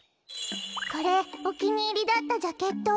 これおきにいりだったジャケット。